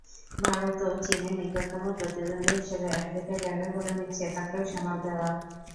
ভারতও চীনের নিকটতম প্রতিদ্বন্দ্বী হিসেবে আফ্রিকায় জায়গা করে নিচ্ছে, তাকেও সামাল দেওয়া।